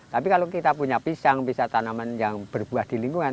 tapi kalau kita punya pisang bisa tanaman yang berbuah